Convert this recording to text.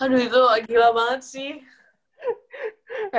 aduh itu gila banget sih